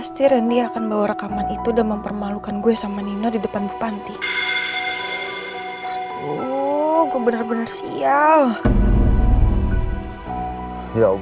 sebentar lagi sampe pak sepuluh menit lagi ya